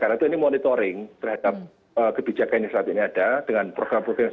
karena itu ini monitoring terhadap kebijakan yang saat ini ada dengan program program yang